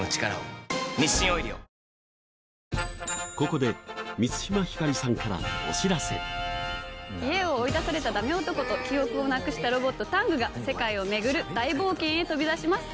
ここで家を追い出されたダメ男と記憶をなくしたロボットタングが世界を巡る大冒険へ飛び出します。